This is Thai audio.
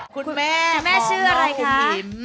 คุณแม่พอเหรออันนี้อิ๋ม